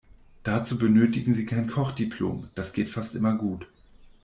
Dazu benötigen Sie kein Kochdiplom, das geht fast immer gut.